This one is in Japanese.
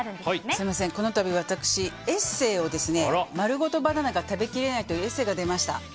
すみません、このたび私エッセー「まるごとバナナが、食べきれない」というエッセーが出ました。